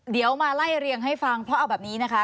เดี๋ยวมาไล่เรียงให้ฟังเพราะเอาแบบนี้นะคะ